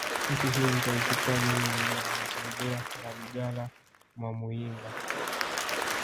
Nchi hii nitaichukua mimi mwenyewe anasimulia Malugala Mwamuyinga